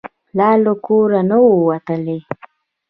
لا له کوره نه وو وتلي.